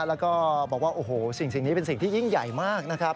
แล้วก็บอกว่าโอ้โหสิ่งนี้เป็นสิ่งที่ยิ่งใหญ่มากนะครับ